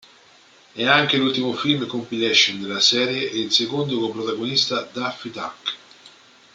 È anche l'ultimo film compilation della serie, e il secondo con protagonista Daffy Duck.